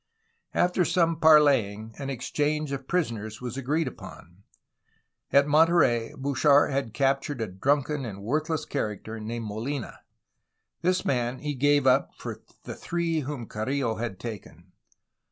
After some parleying, an exchange of prisoners was agreed upon. At Monterey, Bouchard had captured a drunken and worthless character named MoHna. This man he gave up for the three whom Carrillo had taken.